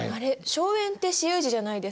荘園って私有地じゃないですか？